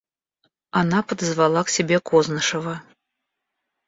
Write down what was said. Она подозвала к себе Кознышева.